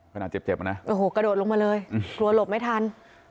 ขนาดเจ็บเจ็บอ่ะนะโอ้โหกระโดดลงมาเลยกลัวหลบไม่ทัน